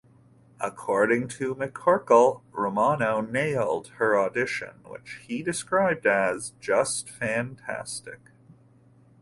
According to McCorkle, Romano "nailed" her audition, which he described as "just fantastic.